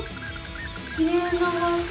きれいな場しょ！